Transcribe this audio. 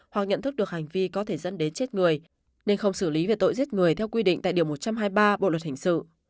hoặc nhận thức được hành vi có thể dẫn đến chết người nên không xử lý về tội giết người theo quy định tại điều một trăm hai mươi ba bộ luật hình sự